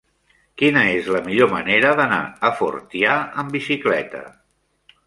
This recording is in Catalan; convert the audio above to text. Quina és la millor manera d'anar a Fortià amb bicicleta?